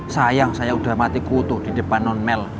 sayang saya udah mati kutuh di depan non mel